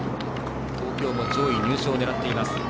東京も上位入賞を狙っています。